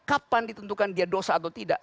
kapan ditentukan dia dosa atau tidak